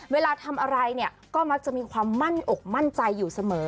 เวลาทำอะไรเนี่ยก็มักจะมีความมั่นอกมั่นใจอยู่เสมอ